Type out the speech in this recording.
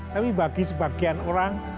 tapi bagi sebagian orang